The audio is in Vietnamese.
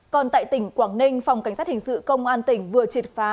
còn tại tỉnh quảng ninh phòng cảnh sát hình sự công an tỉnh vừa triệt phá